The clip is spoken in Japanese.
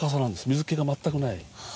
水気が全くない。